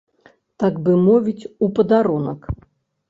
Так бы мовіць, у падарунак.